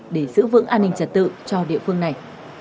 để giữ vững an ninh trật tự cho địa phương này